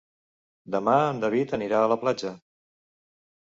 Demà en David anirà a la platja.